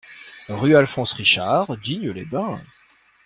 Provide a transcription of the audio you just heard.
Rue Alphonse Richard, Digne-les-Bains